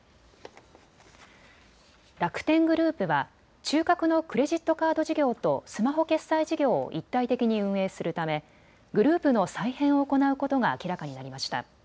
楽天グループは中核のクレジットカード事業とスマホ決済事業を一体的に運営するためグループの再編を行うことが明らかになりました。